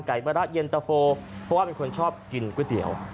มะระเย็นตะโฟเพราะว่าเป็นคนชอบกินก๋วยเตี๋ยว